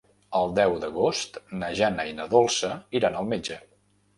El deu d'agost na Jana i na Dolça iran al metge.